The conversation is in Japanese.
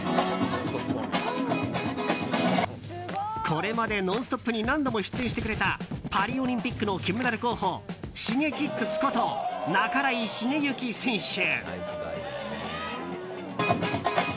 これまで「ノンストップ！」に何度も出演してくれたパリオリンピックの金メダル候補Ｓｈｉｇｅｋｉｘこと半井重幸選手。